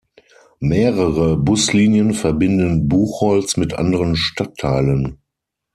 Mehrere Buslinien verbinden Buchholz mit anderen Stadtteilen.